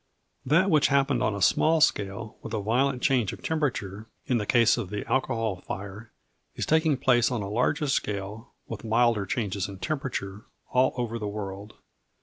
That which happened on a small scale, with a violent change of temperature, in the case of the alcohol fire, is taking place on a larger scale, with milder changes in temperature, all over the world.